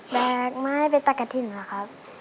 แบกไม้ไปตะกะทิ่นเหรอครับ